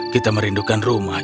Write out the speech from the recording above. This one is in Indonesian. kita merindukan rumah